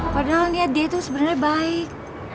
padahal lihat dia tuh sebenernya baik